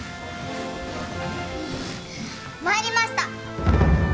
参りました！